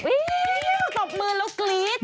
ตบมือแล้วกรี๊ด